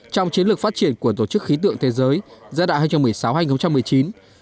trong chiến lược phát triển của tổ chức khí tượng thế giới giai đoạn hai nghìn một mươi sáu hai nghìn một mươi chín